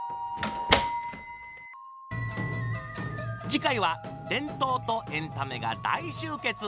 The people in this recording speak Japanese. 次回は伝統とエンタメが大集結。